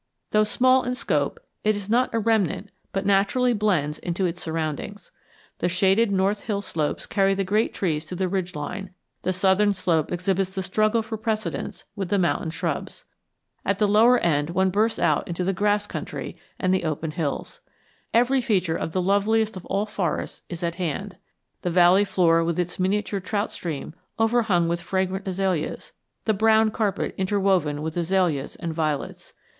Though small in scope it is not a remnant but naturally blends into its surroundings. The shaded north hill slopes carry the great trees to the ridge line; the southern slope exhibits the struggle for precedence with the mountain shrubs. At the lower end one bursts out into the grass country and the open hills. Every feature of the loveliest of all forests is at hand: the valley floor with its miniature trout stream overhung with fragrant azaleas; the brown carpet interwoven with azaleas and violets.